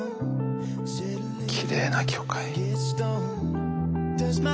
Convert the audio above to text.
きれいな教会。